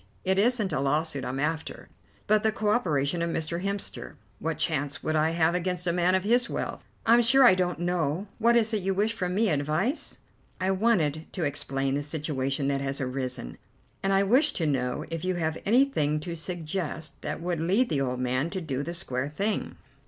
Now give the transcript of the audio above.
It isn't a lawsuit I'm after, but the co operation of Mr. Hemster. What chance would I have against a man of his wealth?" "I'm sure I don't know. What is it you wish from me? Advice?" "I wanted to explain the situation that has arisen, and I wish to know if you have anything to suggest that will lead the old man to do the square thing?"